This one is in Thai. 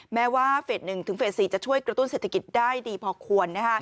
แม้ว่าเฟส๑ถึงเฟส๔จะช่วยกระตุ้นเศรษฐกิจได้ดีพอควร